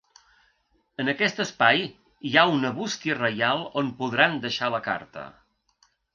En aquest espai hi ha una bústia reial on podran deixar la carta.